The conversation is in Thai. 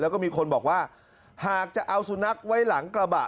แล้วก็มีคนบอกว่าหากจะเอาสุนัขไว้หลังกระบะ